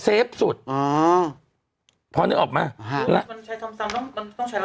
เซฟสุดอ๋อพอนึกออกมาฮะแล้วมันใช้ซ้ำซ้ำมันต้องใช้แล้ว